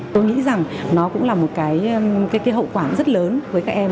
tôi nghĩ rằng nó cũng là một cái hậu quả rất lớn với các em